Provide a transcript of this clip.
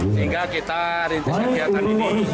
sehingga kita rintis kegiatan ini